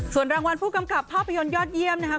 ส่วนรางวัลผู้กำกับภาพยนตร์ยอดเยี่ยมนะครับ